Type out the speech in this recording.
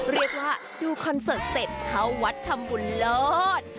เรียกว่าดูคอนเสิร์ตเสร็จเข้าวัดทำบุญเลิศ